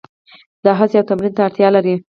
دا هڅې او تمرین ته اړتیا لري.